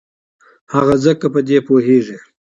ځکه هغه په دې پوهېږي.